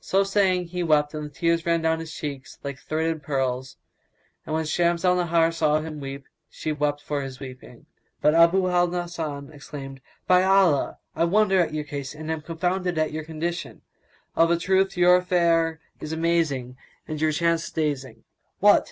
So saying, he wept and the tears ran down upon his cheeks like thridded pearls; and when Shams al Nahar saw him weep, she wept for his weeping. But Abu al Hasan exclaimed, "By Allah, I wonder at your case and am confounded at your condition; of a truth, your affair is amazing and your chance dazing. What!